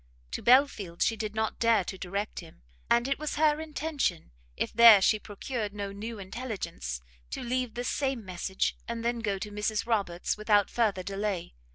To Belfield's she did not dare to direct him; and it was her intention, if there she procured no new intelligence, to leave the same message, and then go to Mrs Roberts without further delay.